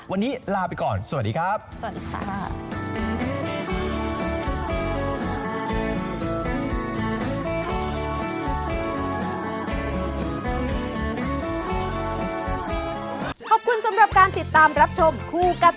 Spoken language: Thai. วันนี้ลาไปก่อนสวัสดีครับ